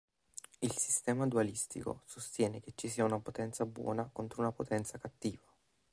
Il sistema dualistico sostiene che ci sia una potenza buona contro una potenza cattiva.